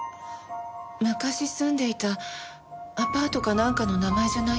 昔住んでいたアパートかなんかの名前じゃないかと。